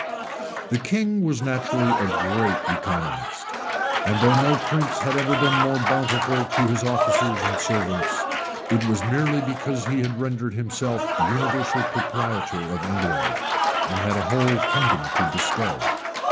[*] The king was naturally a great economist; and though no prince had ever been more bountiful to his officers and servants, it was merely because he had rendered himself universal proprietor of England, and had a whole kingdom to bestow.